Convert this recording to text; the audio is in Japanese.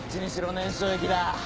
年少行きだ。